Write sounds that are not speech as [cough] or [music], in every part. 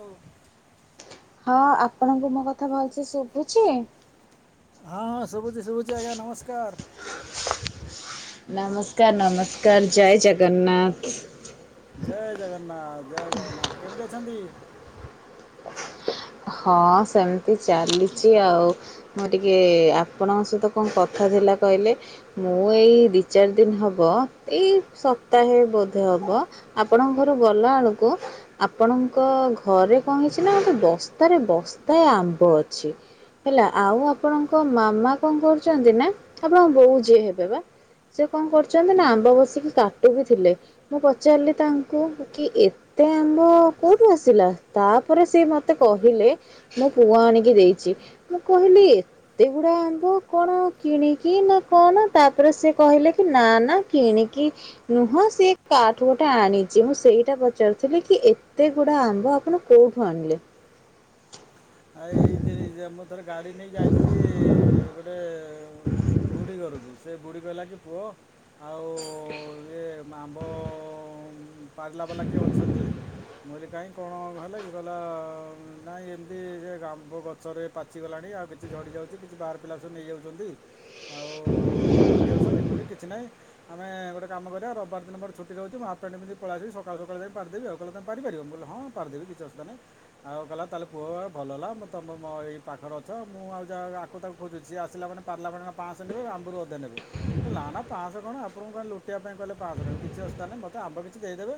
ହଉ ହଁ ଆପଣଙ୍କୁ ମୋ କଥା ଭଲସେ ଶୁଭୁଚିଁ? ହଁ ହଁ ଶୁଭୁଚି ଶୁଭୁଚି ଆଜ୍ଞା ନମସ୍କାର। ନମସ୍କାର ନମସ୍କାର ଜୟ ଜଗନ୍ନାଥ। ଜୟ ଜଗନ୍ନାଥ ଜୟ ଜଗନ୍ନାଥ କେମତି ଅଛନ୍ତି? ହଁ ସେମତି ଚାଲିଚି ଆଉ। ମୁଁ ଟିକେ ଏ ଏ ଆପଣଙ୍କ ସହିତ କଣ କଥା ଥିଲା କହିଲେ ମୁଁ ଏଇ ଦି ଚାର ଦିନ ହବ ଏଇ ସପ୍ତାହେ ବୋଧେ ହବ ଆପଣଙ୍କ ଘରକୁ ଗଲା ବଳକୁ ଆପଣଙ୍କ ଘରେ କଣ ହେଇଚି ନା ଗୋଟେ ବସ୍ ତାରେ ବସ୍ତାଏ ଆମ୍ବ ଅଛି। ହେଲା ଆଉ ଆପଣଙ୍କ ମାମା କଣ କରୁଚନ୍ତି ନା ଆପଣଙ୍କ ବୋଉ ଯିଏ ହେବେ ବା। ସେ କଣ କରଚନ୍ତି ନା ହୁଁ। ଆମ୍ବ ବସିକି କାଟୁ ବି ଥିଲେ ମୁଁ ପଚାରିଲି ତାଙ୍କୁ କି ଏତେ ଆମ୍ବ କୋଉଠୁ ଆସିଲା ତାପରେ ସେ ମତ୍ ତେ କହିଲେ ମୋ ପୁଅ ଆଣିକି ଦେଇଚି ମୁଁ କହିଲି ଏ ତେ ଗୁଡ଼ା ଆମ୍ବ କଣ କିଣିକି ନା କଣ ତାପରେ ସେ କହିଲେ କି ନା ନା କିଣିକି ନୁହଁ ସିଏ କାଆଠୁ ଗୋଟେ ଆଣିଚି ମୁଁ ସେଇଟା ପଚାରୁଥିଲି କି ଏତେ ଗୁଡ଼ା ଆମ୍ବ ଆପଣ କୋଉଠୁ ଆଣିଲେ? ଆ ଏଇ [unintelligible] ମୁଁ ଥରେ ଗାଡ଼ି ନେଇ ଯାଇଥିଲି ଇ ଇ ଗୋଟେ ଏ ଏ ଉଁ ବୁଢ଼ି ଘରୁକୁ। ସେ ବୁଢ଼ୀ କହଲା କି ପୁଅ ଆଉ ଇଏ ଆମ୍ବ ପାରିଲା ବଲା କିଏ ଅଛନ୍ତି? ମୁଁ କହିଲି କାହିଁ କଣ ହେଲା କି? କହିଲା ନାଇଁ ଏମିତି ସେ ଆମ୍ବ ଗଛରେ ପାଚିଗଲାଣି ଆଉ କିଛି ଝଡି ଯାଉଚି କିଛି ବାହାର ପିଲା ଆସି ନେଇଯାଉଚନ୍ତି ଆଉ ତମର କିଏ ଅଛନ୍ତି ମୁଁ କହିଲି କିଛି ନାହିଁ ଆମେ ଗୋଟେ କାମ କରିବା ରବିବାର ଦିନ ମୋର ଛୁଟି ରହୁଚି ମୁଁ ହାପ୍ ‌‌ପେଣ୍ଟ୍ ପିନ୍ଧି ପଳେଇ ଆସିବି ସକାଳୁ ସକାଳୁ ଯାଇ ପାରଦେବି ଆଉ। କହିଲା ତମେ ପାରି ପାରିବ? ମୁଁ କହିଲି ହଁ ପାରିଦେବି କିଛି ଅସୁବିଧା ନାହିଁ। ଆଉ କହିଲା ତାହେଲେ ପୁଅ ଭଲ ହେଲା ମୁଁ ତମ ମୋ ଏଇ ପାଖରେ ଅଛ ମୁଁ ଆଉ ଯାହା ଆକୁ ତାକୁ ଖୋଜୁଚି। ଯିଏ ଆସିଲା ମାନେ ପାରିଲା ବାଲା ପାଁ-ଶ ନେବେ ଆମ୍ବରୁ ଅଧେ ନେବେ। ନା- ନା ପାଁ-ଶ କଣ ଆପଣଙ୍କୁ କହିଲ ଲୁଟିବା ପାଇଁ କହିଲେ ପାଁ-ଶ କିଛି ଅସୁବିଧା ନାହିଁ ମୋତେ ଆମ୍ବ କିଛି ଦେଇଦେବେ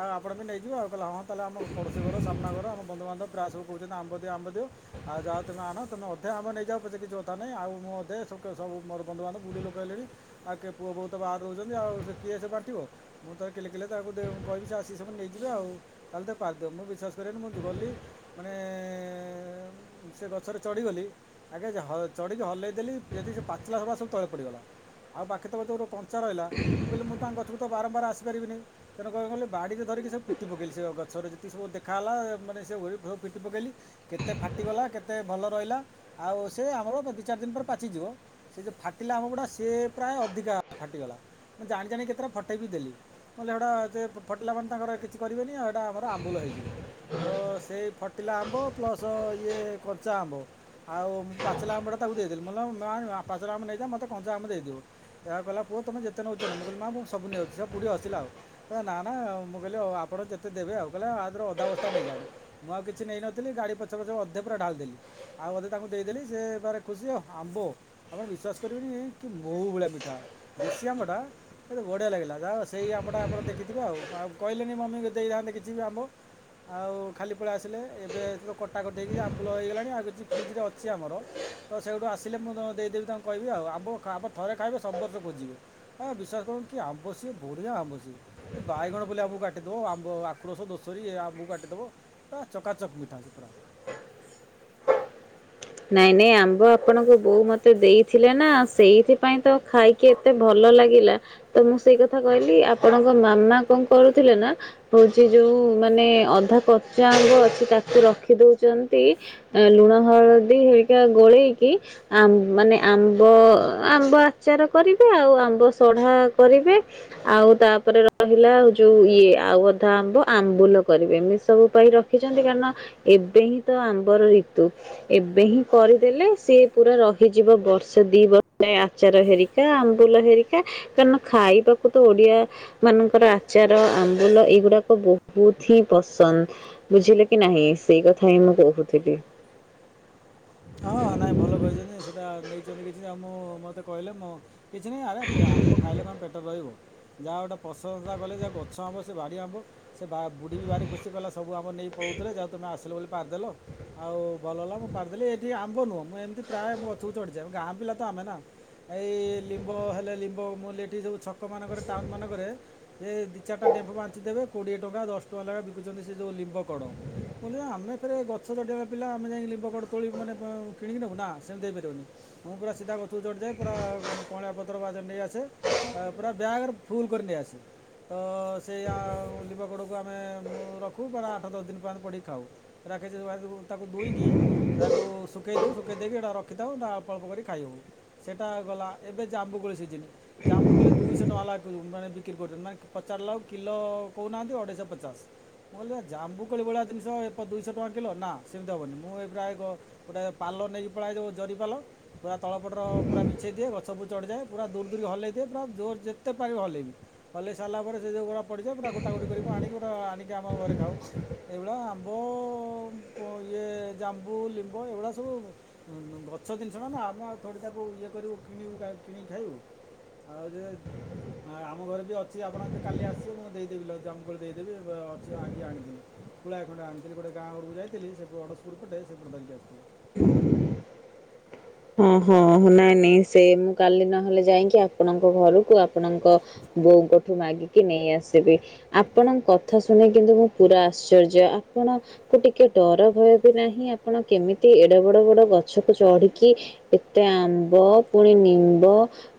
ଆଉ ଆପଣ ବି ନେଇଯିବ। ଆଉ କହିଲ ହଁ ତାହେଲେ ଆମ ପଡ଼ୋଶୀ ଘର ସାମ୍ନା ଘର ଆମ ବନ୍ଧୁବାନ୍ଧବ ପ୍ରାୟ ସବୁ କହୁଚନ୍ତି ଆମ୍ବ ଦିଅ ଆମ୍ବ ଦିଅ। ଆଉ ଯାହା ତୁମେ ଆଣ ତୁମେ ଅଧେ ଆମ୍ବ ନେଇଯାଅ ପଛେ କିଛି କଥା ନାହିଁ ଆଉ ମୁଁ ଅଧେ ସବୁ ମୋର ବନ୍ଧୁବାନ୍ଧବ ବୁଢୀ ଲୋକ ହେଲିଣି ଆଉ କିଏ ପୁଅ ବହୂ ତ ବାହାରେ ରହୁଚନ୍ତି ଆଉ ସେ କିଏ ସେ ବାଟିବ। ମୁଁ କହିଲି କିଲେ କିଲେ ତାକୁ କହିବି ସେ ଆସିକି ସବୁ ନେଇଯିବେ ଆଉ। ତାହାଲେ ଟିକେ ପରଦିଅ। ମୁଁ ବିଶ୍ୱାସ କରିବନି ମୁଁ ଗଲି ମାନେ ଏଁ ଏଁ ଉଁ -ସେ ଗଛରେ ଚଢିଗଲି ଆଗେ ହ-ଚଢିକି ହଲେଇଦଲି ଯେତିକି ସେ ପାଚିଲା [unintelligible] ସବୁ ତଳେ ପଡ଼ିଗଲା। ଆଉ ବାକି ତକ ଯଉ କଞ୍ଚା ରହିଲା ମୁଁ କହିଲି ମୁଁ ତାଙ୍କ ଗଛକୁ ତ ବାରମ୍ବାର ଆସିପାରିବିନି ତେଣୁ କଣ୍ କଲି ବାଡି ରେ ଧରିକି ସବୁ ପିଟି ପକେଇଲି ସେ ଗଛରେ ଯେତିିକି ସବୁ ଦେଖାହେଲା ମାନେ ସେ [unintelligible] ପିଟି ପକେଇଲି। କେତେ ଫାଟିଗଲା କେତେ ଭଲ ରହିଲା ଆଉ ସେ ଆମର ଦି ଚାରି ଦିନି ପରେ ପାଚିଯିବ। ସେ ଯଉ ଫାଟିଲା ଆମ୍ବ ଗୁଡ଼ା ସିଏ ପ୍ରାୟ ଅଧିକା ଫାଟିଗଲା ମୁଁ ଜାଣି ଜାଣି କେତେଟା ଫଟେଇବି ଦେଲି। ହେଲେ ଏଟା ଫଟିଲା ମାନ ତାଙ୍କର କିଛି କରିବେନି ଆଉ ଏଇଟା ଆମର ଆମ୍ବୁଲ ହେଇଯିବ। ତ ସେଇ ଫଟିଲା ଆମ୍ବ ପ୍ଲସ ଇଏ କଞ୍ଚା ଆମ୍ବ ଆଉ ପାଚିଲା ଆମ୍ବଟା ତାକୁ ଦେଇଦେଲି ମୁଁ କହିଲି ନାଇଁ ପାଚିଲା ଆମ୍ବ ନେଇଯାଅ ମତେ କଞ୍ଚା ଆମ୍ବ ଦେଇଦିଅ। [unintelligible] କହିଲା ପୁଅ ତମେ ଯେତେ ନଉଛ ନିଅ ମୁଁ କହିଲି ମା ମୁଁ ସବୁ ନେଇଯାଉଚି ସେ ବୁଢୀ ହସିଲା ଆଉ। ନା -ନା ମୁଁ କହିଲି ହଉ ଆପଣ ଯେତେ ଦେବେ ଆଉ କହିଲା ଆଥୁରୁ ଅଧା ଅବସ୍ଥା ନେଇଯାନ୍ତୁ। ମୁଁ ଆଉ କିଛି କିଛି ନେଇନଥିଲି ଗାଡ଼ି ପଛ- ପଛରେ ଅଧେ ପୁରା ଢାଳିଦେଲି ଆଉ ଅଧେ ତାଙ୍କୁ ଦେଇଦେଲି ଯେ ତାରେ ଖୁସି ଆଉ। ଆମ୍ବ ଆପଣ ବିଶ୍ଵାସ କରିବେନି କି ମହୁ ଭଳିଆ ମିଠା ଦେଶୀ ଆମ୍ବଟା ଏତେ ବଢ଼ିଆ ଲାଗିଲା। ଯାହଉ ସେଇ ଆମ୍ବଟା ଆପଣ ଦେଖିଥିବେ ଆଉ- ଆଉ କହିଲେ ନି ମମି କୁ ଦେଇଥାନ୍ତେ କିଛି ଆମ୍ବ। ଆଉ ଖାଲି ପଳେଇ ଆସି ଏବେ ସେଥି କଟାକଟି ହେଇକି ଆମ୍ବୁଲ ହେଇଗଲାଣି ଆଉ କିଛି ଫ୍ରିଜ ରେ ଅଛି ଆମର। ତ ସେଇଠୁ ଆସିଲେ ମୁଁ ଦେଇଦେବି ତାଙ୍କୁ କହିବି ଆଉ ଆମ୍ବ ଆ ଥରେ ଖାଇବେ ସବୁ ବର୍ଷ ଖୋଜିବେ। ଆଁ - ବିଶ୍ୱାସ କରୁନ୍ତୁ କି ଆମ୍ବ ସେ ବଢ଼ିଆ ଆମ୍ବ ସେ। ବାଇଗଣ ପଲେଇ ଆମ୍ବକୁ କାଟିଦେବ ଆମ୍ବ ଆଖୁରସ, ଦୋଷରି ଏ ଆମ୍ବକୁ କାଟିଦବ। ପୁରା ଚକାଚକ୍ ମିଠା ଅଛି ପୁରା। ନାଇଁ ନାଇଁ ଆମ୍ବ ଆପଣଙ୍କ ବୋଉ ମତେ ଦେଇଥିଲେ ନା ସେଇଥିପାଇଁ ତ ଖାଇ କି ଏତେ ଭଲ ଲାଗିଲା ତ ମୁଁ ସେଇ କଥା କହିଲି ଆପଣଙ୍କ ମାମା କଣ କରୁଥିଲେ ନା ହଉଚି ଯୋଉ ମାନେ ଅଧା କ ସେ ଆମ୍ବ ଅଛି ତାକୁ ରଖିଦଉଚ ନ୍ତି ଲୁଣ ହଳ ଦି ହେକା ଗୋଳେଇକି ଆମ୍ ମାନେ ଆମ୍ବ ଆମ୍ବ ଆଚାର କରିବେ ଆଉ ଆମ୍ବ ସଢା କରିବେ। ଆଉ ତାପରେ ରହିଲା ଯୋଉ ଇଏ ଆଉ ଅଧା ଆମ୍ବ ଆମ୍ବୁଲ କରିବେ ଏମତି ସବୁ ପାଇଁ ରଖ। ଦେଖିଚନ୍ତି କାରଣ ଏବେ ହିଁ ତ ଆମ୍ବର ଋତୁ। ଏବେ ହିଁ କରିଦେଲେ ସିଏ ପୁରା ରହିଯିବ ବର୍ଷେ ଦି ବର୍ଷ ଯଏ ଆଚାର ହେରି ହେଆମ୍ବୁଲ ହେରିକା ତମେ ଖାଇବାକୁ ତ ଓଡିଆ ମାନଙ୍କର ଆଚାର ଆମ୍ବୁଲ ଏଇଗୁଡାକ ବହୁତ ହିଁ ପସନ୍ଦ ବୁଝିଲେ କି ନାହିଁ ସେଇ କଥା ହିଁ ମୁଁ କହୁଥିଲି। ହଁ ନାଇଁ ଭଲ କହିଛନ୍ତି ସେଇଟା ନେଇ କିଛି ଆଉ ମୁଁ ମୋତେ କହିଲେ ମୁଁ କିଛି ନାହିଁ ଆରେ ଆମ୍ବ ଖାଇଲେ କଣ ପେଟରେ ରହିବ। ଯାହା ଗୋଟେ ପ୍ରଶଂସା କଲେ ଯାହା ଗଛ ଆମ୍ବ ସେ ବାଡ଼ି ଆମ୍ବ। ସେ ବା ବୁଢ଼ୀ ଭାରି ଖୁସି କହିଲା ସବୁ ଆମ୍ବ ନେଇ ପଳଉଥିଲୋ [unintelligible] ତମେ ଆସିଲ ବୋଲି ପାରିଦେଲ ଆଉ ଭଲ ହେଲା ମୁଁ ପାରିଦେଲି ଏ ଆମ୍ବ ନୁହଁ ମୁଁ ଏମତି ପ୍ରାୟ ଗଛ କୁ ଚଢିଯାଏ ଗାଁ ପିଲା ତ ଆମେ ନା ଏଇ ଲିମ୍ବ ହେଲେ ଲିମ୍ବ ମୁଁ ଏଠି ସବୁ ଛକମାନଙ୍କରେ ଟାଉନ ମାନଙ୍କରେ ସେ ଦି ଚାରିଟା ଡେମ୍ପ ବାଞ୍ଚି ଦେବେ କୋଡିଏ ଟଙ୍କା ଦଶ ଟଙ୍କା ଲେଖା ବିକୁଛନ୍ତି ସେ ଯେଉଁ ଲିମ୍ବ କଢ଼। ପୂଣ୍ଣିମା ଆମେ ଫେରେ ଗଛ ଚଡିବ ପିଲା ଆମେ ଯାଇଲିମ୍ବକଡ଼ ତୋଳିବୁ ମାନେ କିଣିିକି ନବୁ ନା ସେମିତି ହେଇ ପାରିବନି। ମୁଁ ପୁରା ସିଧା ଗଛକୁ ଚଢ଼ି ଯାଏ ପୁରା କଉଁଳିଆ ପତର ନେଇ ଆସେ ଆ ପୁରା ବ୍ୟାଗରେ ଫୁଲୁକରି ନେଇଆସେ। ତ ସେଇଆ ଲିମ୍ବ କଢକୁ ଆମେ ରଖୁ ପରା ଆଠ ଦଶ ଦିନ ପଯ୍ୟନ୍ତ ପୋଡିକି ଖାଉ। ରାକ୍ଷ ତାକୁ ଦୁଇଁକି ତାକୁ [unintelligible] ଶୁଖାଇ ଦେଉ ଶୁଖେଇ ଦେଇେଇକି ଏଇଟା ରଖିଥାଉ ତା ଅଳପ ଅଳପ କରି ଖାଇ ହେଉ ସେଇଟା ଗଲା ଏବେ ଜାମୁ କୋଳି ସିଝିନି। ଜାମ୍ବୁକୋଳି ଦୁଇଶହ ଟଙ୍କା ଲ ମାନେ ବିକ୍ରି କରୁଛନ୍ତି ମାନେ ପଚାରିଲା ବେଳକୁ କିଲ କହୁନାହାନ୍ତି ଅଢେଇଶହ ପଚାଶ। ମୁଁକହିଲି ଜାମୁକୋଳିଭଳିଆ ଜିନିଷ ଦୁଇଶହ ଟଙ୍କା କିଲୋ ନା ସେମିତି ହେବନି ମୁଁ ପ୍ରାୟ ଏକ ଗୋଟେ ପାଲ ନେଇକି ପଳେଇଆଇଲୁ ଜରି ପାଲ ପୁରା ତଳପଟର ପୁରା ବିଛେଇ ଦିଏ ଗଛକୁ ଚଢିଯାଏ ପୁରା ଦୂର ଦୂରି ହଲେଇ ଦିଏ ପୁରା ଜୋର ଯେତେ ପାରିବ ହଲେଇବି। ହଲେଇ ସାରିଲା ପରେ ସେ ଯୋଉଗୁଡା ପଡିବ ପୁରା ଗୋଟା ଗୋଟି କରିକିଆଣିକି ଆମ ଘରେ ଖାଉ। ଏଇଭଳିଆ ଆମ୍ବ ଇଏ ଜାମ୍ବୁ ଲିମ୍ବ ଏଇଗୁଡ଼ା ସବୁ ଗଛ ଜିନିଷଟନା ଆମେ ଆଉତାକୁ ଇଏ କରିବୁ କିଣିକି ଖାଇବୁ। ଆଉ ଯେ ହଁ ଆମ ଘରେଯିଏଅଛି ଆପଣ ଯଦି କାଲି ଆସିବେ ମୁଁ ଦେଇଦେବି ଜାମୁକୋଳି ଦେଇଦେବି ଅଛି ଆଜି ଆଣିଛି। ପୁଳାଏ ଖଣ୍ଡେଆଣିଥିଲି ଗୋଟେ ଗାଁ କୁ ଯାଇଥିଲ ସେଠୁ ଅଡ଼ସ୍କୁଲ ପଟେ ସେପଟ ଧରିକି ଆସିଥିଲି [inaudible] ହଁ ହଁ ନାଇଁ ନାଇଁ ସେ ମୁଁ କାଲି ନହେଲେ ଯାଇକି ଆପଣଙ୍କ ଘରକୁ ଆପଣଙ୍କ ବୋଉଙ୍କଠୁ ମାଗିକି ନେଇ ଆସିବି ଆପଣଙ୍କ କଥା ଶୁଣିିକ କିନ୍ତୁ ମୁଁ ପୁରା ଆଶ୍ଚର୍ଯ୍ୟ ଆପଣ ଟିକେ ଡର ଭୟ ବି ନାହିଁ ଆପଣ କେମିତି ଏଡେ ବଡ ବଡ ଗଛକୁ ଚଢିକି କି ଏତେ ଆମ୍ବ ପୁଣି ନିମ୍ବ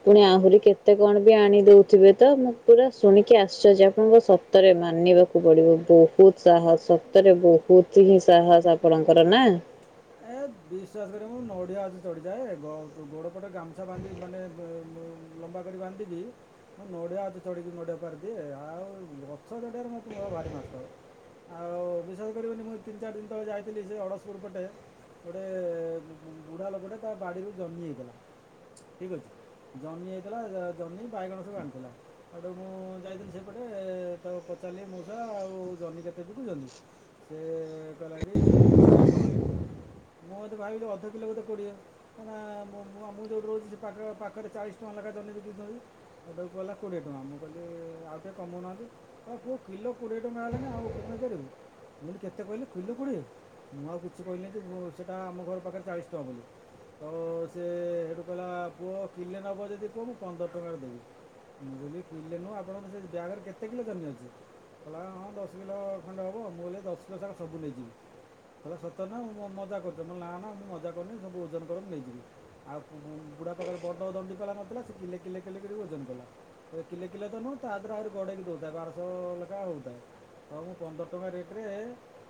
ପୁଣି ଆହୁରି କେତେ କଣ ବି ଆଣିଦଉଥିବେ ତ ମୁଁ ପୁରା ଶୁଣିକି ଆଶ୍ଚର୍ଯ୍ୟ ଆପଣଙ୍କ ସତ ସତରେ ମାନିବାକୁ ପଡିବ ବହୁତ ସାହସ ସତରେ ବହୁତ ହିଁ ସାହସ ଆପଣଙ୍କର ନା। ଏ ବିଶ୍ୱାସ କରି ମୁଁ ନଡ଼ିଆ ଆଜି ଚଢ଼ିଯାଏ ଗୋଡ଼ ପଟେ ଗାମୁଛା ବାନ୍ଧି ମାନେ ଲମ୍ବା କରି ବାନ୍ଧିଦିଏ ମୁଁ ନଡ଼ିଆ ଆଜି ଚଢ଼ିକି ନଡ଼ିଆ ପାରିଦିଏ ଆଉ ଗଛ ଚଢିବାରେ ମୁଁ ଭାରି ନନଷ୍ଟପ ଆଉ ବିଶେଷ କରିବନି ମୁଁ ତିନି ଚାରି ଦିନ ତଳେ ଯାଇଥିଲି ସେ ଅଡ଼ଶପୁର ପଟେ ଗୋଟେ ବୁଢା ଲୋକଟେ ତା ବାଡ଼ିରୁ ଜହ୍ନି ହେଇଥିଲା ଠିକ୍ ଅଛି। ଜହ୍ନି ହେଇଥିଲା ଜହ୍ନି, ବାଇଗଣ ସବୁ ଆଣିଥିଲା। ହେଠୁ ମୁଁ ଯାଇଥିଲି ସେପଟେ ତାକୁ ପଚାରିଲି ମଉସା ଆଉ ଜହ୍ନି କେତେ ବିକୁଛନ୍ତି? ସେ କହିଲାକି କୋଡ଼ିଏ ଟଙ୍କା ଲେଖେ। ମୁଁ ଭାବିଲି ଅଧ କିଲୋ ବୋଧେ କୋଡିଏ। [inaudible] ମୁଁ ମୁଁ ଯୋଉଠି ରହୁଛି ସେ ପାଖ ପାଖରେ ଚାଳିଶ ଟଙ୍କା ଲେଖାଏ ଜହ୍ନି ବିକୁଛନ୍ତି। ସେ ତାକୁ କହିଲା କୋଡ଼ିଏ ଟଙ୍କା ମୁଁ କହିଲି ଆଉ ଟିକେ କମଉନାହାନ୍ତି [inaudible] କିଲୋ କୋଡିଏ ଟଙ୍କା ହେଲାଣି ଆଉ କମେଇପାରିବୁ। ମୁଁ କହିଲି କେତେ କହିଲେ କିଲ କୋଡ଼ିଏ ମୁଁ ଆଉ କିଛି କହିଲିନି ଯେ ସେଇଟା ଆମ ଘର ପାଖରେ ଚାଳିଶ ଟଙ୍କା ବୋଲି। ତ ସେ ସେଇଠୁ କହିଲା ପୁଅ କିଲେ ନବ ଯଦି କୁହ ମୁଁ ପନ୍ଦର ଟଙ୍କାରେ ଦେବି। ମୁଁ କହିଲି କିଲେ ନୁହଁ ଆପଣଙ୍କ ସେ ବ୍ୟାଗରେ କେତେ କିଲୋ ଜହ୍ନି ଅଛି? କହିଲା ହଁ ଦଶ କିଲୋ ଖଣ୍ଡେ ହବ ମୁଁ କହିଲି ସେ ଦଶ କିଲୋ ସାଙ୍ଗ ସବୁ ନେଇଯିବି କହିଲା ସତ ନା ଉ। ମଜା କରୁଛ ମଁ ନାଁ ନାଁ ମୁଁ ମଜା କରୁନି ସବୁ ଓଜନ କର ନେଇଯିବି। ଆଉ ବୁଢା ପାଖରେ ବଡ ଦଣ୍ଡିପାଲା ନଥିଲା ସେ କିଲେ କିଲେ କିଲେ କରି ଓଜନ କଲା। ସେ କିଲେ କିଲେ ତ ନୁହଁ ତା ଦେହରେ ଆହୁରି ଗଡେଇକି ଦଉଥାଏ ବାରଶ ଲେଖା ହଉଥାଏ। ହଉ ମୁଁ ପନ୍ଦର ଟଙ୍କା ରେଟେରେ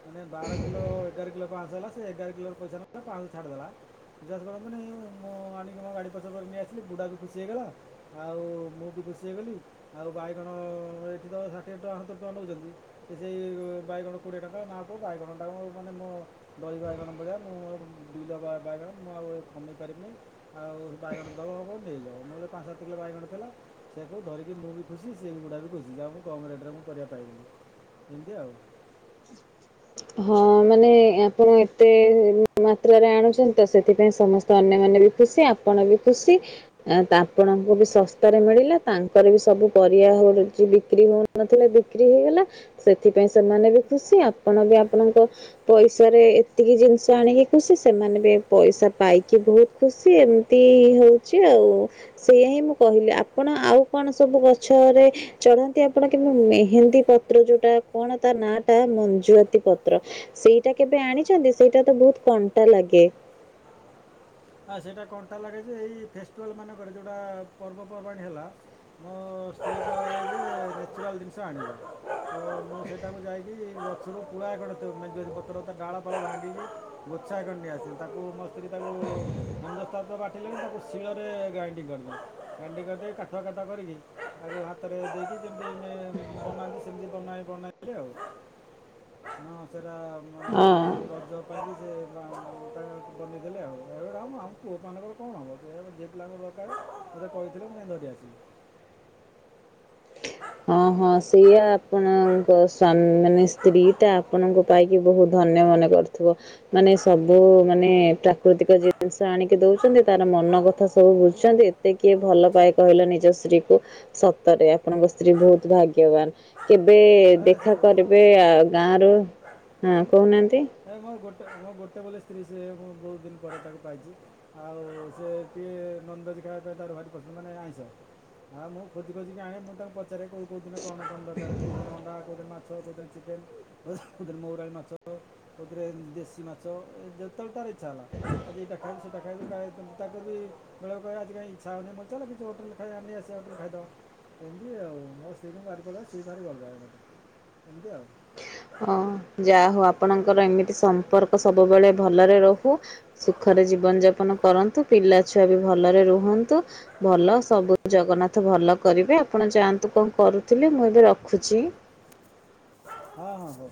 ମାନେ ବାର କିଲୋ ଏଗାର କିଲୋ ପାଶହ ହେଲା ସେ ଏଗାର କିଲ ର ପଇସା ନେଲା ପାଁଶହ ଛାଡିଦେଲା। ବିଶ୍ୱାସ କରନ୍ତୁନି ମୁଁ ଆଣିକି ମୋ ଗାଡ଼ି ପଛ କରିକି ନେଇ ଆସିଲି ବୁଢାବି ଖୁସି ହେଇଗଲା। ଆଉ ମୁଁ ବି ଖୁସି ହେଇଗଲି ଆଉ ବାଇଗଣ ଏଇଠି ତ ଷାଠିଏ ଟଙ୍କା ସତୁରି ଟଙ୍କା ନଉଛନ୍ତି। ସେ ସେଇ ବାଇଗଣ କୋଡ଼ିଏ ଟଙ୍କା ନାକୁ ବାଇଗଣଟାକୁ ମାନେ ମୋ ଦହି ବାଇଗଣ ଭଳିଆ ମୁଁ ବିଲ ବାଇଗଣ ମୁଁ ଆଉ ଏ କମେଇ ପାରିବିନି ଆଉ ବାଇଗଣ ଦବ ହବ ଦେଇଦବ ନହେଲେ ପାଞ୍ଚ କିଲ ବାଇଗଣ ଥିଲା ସେଇଆକୁ ଧରିକି ମୁଁ ବି ଖୁସି ସିଏ ବୁଡା ବି ଖୁସି ଯାହାହଉ ମଁ କମ୍ ରେଟ୍ ରେ ମୁଁ ପରିବା ପାଇଗଲିି ଏମିତି ଆଉ। ହଁ ମାନେ ଆପଣ ଏତେ ମାତ୍ରାରେ ଆଣୁଛନ୍ତି ତ ସେଥିପାଇଁ ସମସ୍ତେ ଅନ୍ୟମାନେ ବି ଖୁସି ଆପଣ ବି ଖୁସି। ତ ଆପଣଙ୍କୁ ବି ଶସ୍ତାରେ ମିଳିଲା ତାଙ୍କର ବି ସବୁ ପରିବା ହଉ ଯାଉଛି ବିକ୍ରି ହଉ ନଥିଲେ ବିକ୍ରି ହେଇଗଲା ସେଥିପାଇଁ ସେମାନେ ବି ଖୁସି ଆପଣ ବି ଆପଣଙ୍କ ପଇସାରେ ଏତିକି ଜିନିଷ ଆଣିକି ଖୁସି ସେମାନେ ବି ପଇସା ପାଇକି ବହୁତ୍ ଖୁସି ଏମିତି ହଉଛି ଉ। ସେଇୟା ହିଁ ମୁଁ କହିଲି ଆପଣ ଆଉ କଣ ସବୁ ଗଛରେ ଚଢନ୍ତି ଆପଣ କିନ୍ତୁ ମେହେନ୍ଦୀ ପତ୍ର ଯୋଉଟା କଣ ତା ନାଁ ଟା ମଞ୍ଜୁଆତି ପ ତ୍ର ସେଇଟା କେବେ ଆଣିଛନ୍ତି ସେଇଟା ତ ବହୁତ୍ କଣ୍ଟା ଲାଗେ। ଆଁ ସେଇଟା କଣ୍ଟା ଲାଗେ ଯେ ଏଇ ଫେଷ୍ଟିଭାଲ୍ ମାନଙ୍କରେ ଯେଉଟା ପର୍ବପର୍ବାଣି ହେଲା ମୋ ସ୍ତ୍ରୀ [inaudible] ନେଚୁରାଲ ଜିନିଷ ଆଣିବ। [inaudible] ତ ମୁଁ ସେଇଟା ମୁ ଯାଇକି ଗଛରୁ କୁଳା ମଞ୍ଜୁଅତି ପତ୍ର ଡାଳ ଫାଳ ଭାଙ୍ଗିକି ଗୋଛା କରି ଆସିଲି [inaudible] ତାପରେ [inaudible] [inaudible] ବାଟିଲେଣି ତାକୁ ଶିଳରେ ଗ୍ରାଇଣ୍ଡିଂ କରିଦି ଗ୍ରାଇଣ୍ଡିଙ୍ଗ କରି କାଠୁଆ କାଠୁଆ କରିକି ଆଉ ହାତରେ ଦେଇକି ଯେମତିେ ବନାନ୍ତି ସେମତି ବନା ବନାନ୍ତି। [inaudible] [inaudible] ହଁ ସେଇଟା ଅ ଏଇ ରଜ ପାଇି ସେ ତା ବମେଇ ଦେଲେ ଆଉ। [inaudible] ଏବେଟା ମୁଁ ଆମ ପୁଅମାନଙ୍କର କଣ ହେବ ସେ ଯିଏ ପିଲାଙ୍କ ଦରକାର ସେତ କହିଥିଲେ ମୁଁ ଧରି ଆସଲି। [inaudible] ହଁ ହଁ ସେଇଆ ଆପଣଙ୍କ ସ୍ୱାମ୍ ମାନେ ସ୍ତ୍ରୀ ଟା ଆପଣଙ୍କ ପାଇ କି ବହୁତ୍ ଧନ୍ୟ ମନେ କରୁଥିବ। ମାନେ ସବୁ ମାନେ ପ୍ରାକୃତିକ ଜିନିଷ ଆଣିକି ଦଉଛନ୍ତି ତାର ମନ କଥା ସବୁ ବୁଝୁଛନ୍ତି ଏତେ କିଏ ଭଲ ପାଏ କହିଲ ନିଜ ସ୍ତ୍ରୀ କୁ ସତରେ ଆପଣଙ୍କ ସ୍ତ୍ରୀ ବହୁତ୍ ଭାଗ୍ୟବାନ କେବେ ଏ ଦେଖା ସେ କରି ଏବେ ଆ ଗାଁରୁ ହଁ କହୁନାହାନ୍ତି ନାଇ ମୋ ଗୋଟେ ମୋ ଗୋଟେ ବୋଲି ସ୍ତ୍ରୀ ସେ ମୁଁ ବହୁତ୍ ଦିନି ପରେ ତାକୁ ପାଇଛି। ଆଉ ସେ ଟିକିଏ ନନଭେଜ୍ ଖାଇବା ପାଇଁ ତାର ଭାରି ପସ ମାନେ ଆଇଁଷ। ହଁ ମୁଁ ଖୋଜି ଖୋଜିି ଆଣେ ମୁ ତାଙ୍କୁ ପଚାରେ କୋଉ କୋଉଦିନ କଣ କଣ ଦକାରେ? କୋଉଦିନ ଅଣ୍ଡା, କୋଉଦିନ ମାଛ, କୋଉଦିନ ଚିକେନ୍, କୋଉଦିନ ମଉରାଳି ମାଛ। କୋଉଥିରେ ଦେଶୀ ମାଛ ଯେତେବେଳେ ତାର ଇଚ୍ଛା ହେଲା ଆଜି ଏଇଟା ଖାଇମି ସେଇଟା ଖାଇମି ତାକୁ ବି ବେଳକୁ କଇବ ଆଜି କାଇଁ ହୋଉନି, ମୁଁ କଇମି ଚାଲ କିଛି ହୋଟଲ୍ ରୁ ଖାଇଆ ନେଇଆସିବା ହୋଟଲ୍ ରେ ଖାଇଦବା। ଏମ୍ତି ଆଉ ମୋ ସ୍ତ୍ରୀ କୁ ମୁଁ ଭାରି ଭଲପାଏ, ସିଏ ବି ଭାରି ଭଲ ପାଏ ମତେ ଏମ୍ତି ଆଉ। ଅଁ ଯାଆ ହୋଉ ଆପଣଙ୍କର ଏମିତି ସମ୍ପର୍କ ସବୁବେଳେ ଭଲରେ ରୋହୁ। ସୁଖରେ ଜୀବନ ଯାପନ କରନ୍ତୁ, ପିଲାଛୁଆ ବି ଭଲରେ ରୁହନ୍ତୁ। ଭଲ ସବୁ ଜଗନ୍ନାଥ ଭଲ କରିବେ ଆପଣ ଯାଆନ୍ତୁ କଣ କରୁଥିଲେ ମୁଁ ଏବେ ରଖୁଛି। ହଁ ହଁ ହୋଉ।